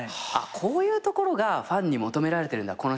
こういうところがファンに求められてるんだ